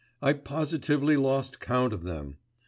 I positively lost count of them.